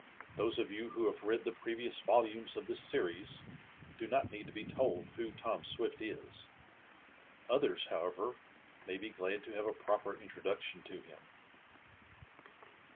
Those of you who have read the previous volumes of this series do not need to be told who Tom Swift is. Others, however, may be glad to have a proper introduction to him.